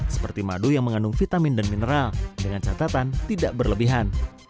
seperti madu yang mengandung vitamin dan mineral dengan catatan tidak berlebihan